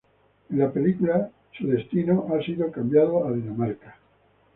En la película, su destino ha sido cambiado a Dinamarca.